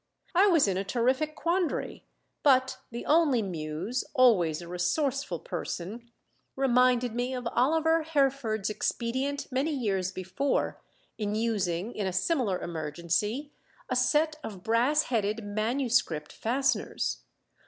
I was in a terrific quandary; but the Only Muse, always a resourceful person, reminded me of Oliver Herford's expedient many years before in using in a similar emergency a set of brass headed manuscript fasteners.